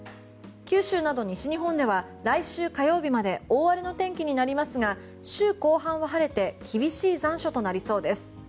九州など西日本では来週火曜日まで大荒れの天気になりますが週後半は晴れて厳しい残暑となりそうです。